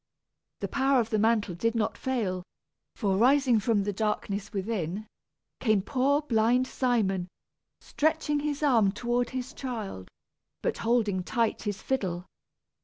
The power of the mantle did not fail, for, rising from the darkness within, came poor blind Simon, stretching his arms toward his child, but holding tight his fiddle.